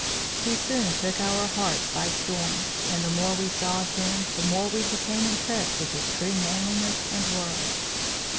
He soon took our hearts by storm, and the more we saw of him the more we became impressed with his true manliness and worth.